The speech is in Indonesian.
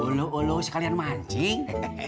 ulu ulu sekalian mancing